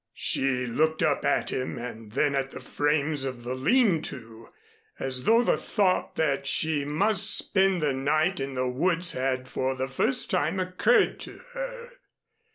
She looked up at him, and then at the frames of the lean to, as though the thought that she must spend the night in the woods had for the first time occurred to her.